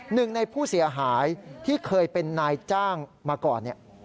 หนึ่งในผู้เสียหายที่เคยเป็นนายจ้างมาก่อนเนี่ย